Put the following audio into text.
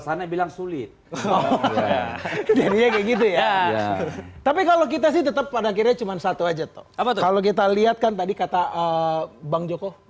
sana bilang sulit hahaha tapi kalau kita sih tetap pada akhirnya cuma satu aja kalau kita lihat kan